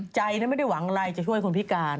ใจไม่ได้หวังอะไรจะช่วยคนพิการ